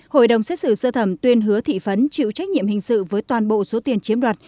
hội đồng xét xử sơ thẩm tuyên hứa thị phấn chịu trách nhiệm hình sự với toàn bộ số tiền chiếm đoạt